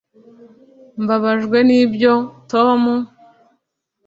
mbabajwe nibyo, tom.